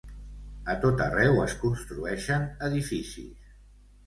A tot arreu es construeixen edificis.